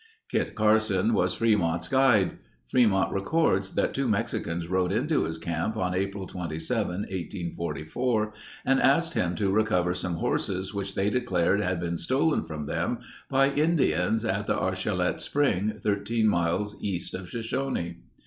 Kit Carson was Fremont's guide. Fremont records that two Mexicans rode into his camp on April 27, 1844, and asked him to recover some horses which they declared had been stolen from them by Indians at the Archilette Spring, 13 miles east of Shoshone.